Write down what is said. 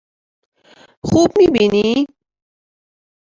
خوب می بینی؟